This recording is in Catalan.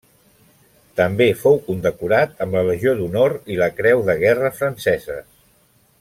També fou condecorat amb la Legió d'Honor i la Creu de Guerra franceses.